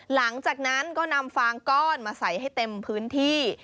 หลังจากนั้นก็นำฟางก้อนมาใส่ให้เต็มพื้นที่